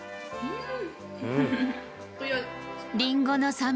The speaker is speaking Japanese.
うん！